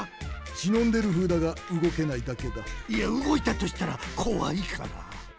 しのんでるふうだがうごけないだけだいやうごいたとしたらこわいから！